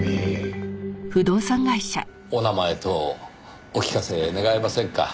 お名前等お聞かせ願えませんか？